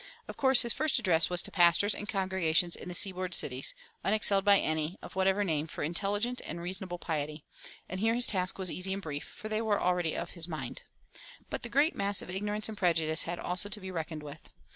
Of course his first address was to pastors and congregations in the seaboard cities, unexcelled by any, of whatever name, for intelligent and reasonable piety; and here his task was easy and brief, for they were already of his mind. But the great mass of ignorance and prejudice had also to be reckoned with.